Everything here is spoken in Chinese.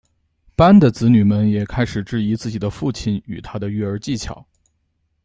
班的子女们也开始质疑自己的父亲与他的育儿技巧。